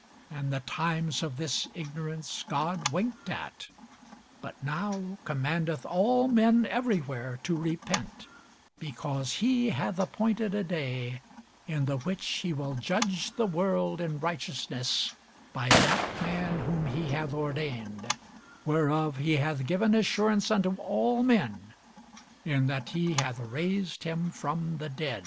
And the times of this ignorance God winked at; but now commandeth all men every where to repent: because he hath appointed a day, in the which he will judge the world in righteousness by that man whom he hath ordained; whereof he hath given assurance unto all men, in that he hath raised him from the dead.